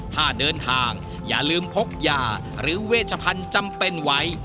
ถ้าเดินทางอย่าลืมพกยาหรือเวชพันธุ์จำเป็นไว้